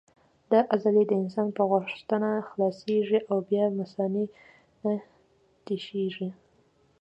دا عضلې د انسان په غوښتنه خلاصېږي او بیا مثانه تشېږي.